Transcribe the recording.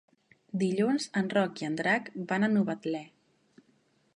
Dilluns en Roc i en Drac van a Novetlè.